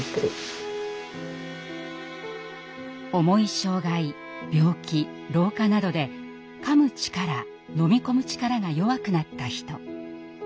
重い障害病気老化などでかむ力飲み込む力が弱くなった人。